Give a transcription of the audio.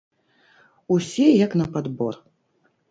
Усе як на падбор.